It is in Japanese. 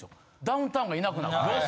ダウンタウンがいなくなるから。